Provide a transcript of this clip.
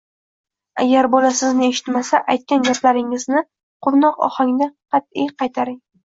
Agar bola sizni “eshitmasa”, aytgan gapingizni quvnoq ohangda qat’iy qaytaring.